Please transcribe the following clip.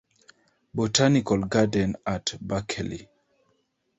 Botanical Garden at Berkeley.